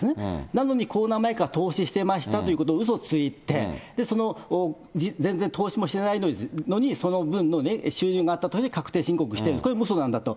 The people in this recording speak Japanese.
なのに、コロナ前から投資していましたといううそついて、その全然投資もしてないのに、その分の収入があったと確定申告してる、これもうそなんだと。